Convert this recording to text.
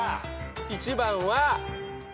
１番は。